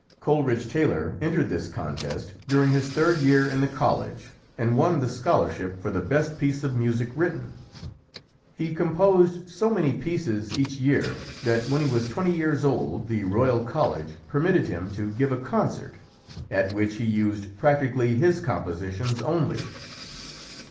Cole ridge Taylor entered this contest during his third year in the college and won the scholarship for the best piece of music written. He composed so many pieces each year that when he was twenty years old the Royal College permitted him to give a concert at which he used practically his compo sitions only.